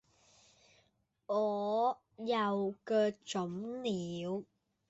我又腳腫了